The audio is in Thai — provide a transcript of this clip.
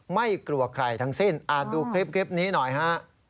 ไม่กลัวใครทั้งสิ้นดูคลิปนี้หน่อยฮะ